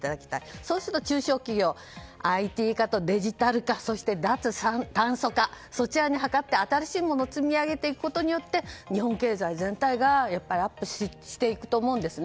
そうすると中小企業ＩＴ化とデジタル化そして脱炭素化を図って新しいものを積み上げていくことによって日本経済全体がアップしていくと思うんですね。